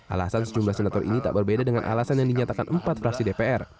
alasan sejumlah senator ini tak berbeda dengan alasan yang dinyatakan empat fraksi dpr